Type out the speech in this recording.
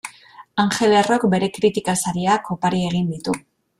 Angel Errok bere kritika sariak opari egin ditu.